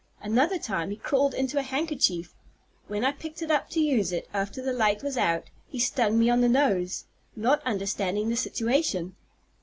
Another time he crawled into a handkerchief. When I picked it up to use it, after the light was out, he stung me on the nose, not understanding the situation.